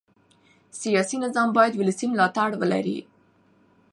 سیاسي نظام باید ولسي ملاتړ ولري